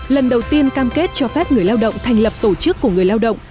lần đầu tiên cam kết cho phép người lao động thành lập tổ chức của người lao động